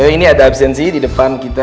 ini ada absensi di depan kita